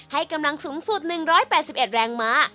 ให้กำลังสูงสุด๑๘๑แรงม้า